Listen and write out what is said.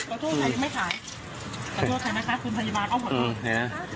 โทษใครยังไม่ขายขอโทษใครไหมคะคุณพยาบาลอ้อมขอโทษ